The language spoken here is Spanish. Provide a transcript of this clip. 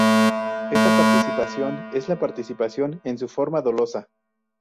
Esta participación es la participación en su forma dolosa.